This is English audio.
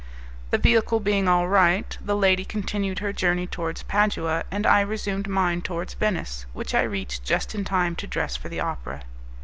The vehicle being all right, the lady continued her journey towards Padua, and I resumed mine towards Venice, which I reached just in time to dress for the opera.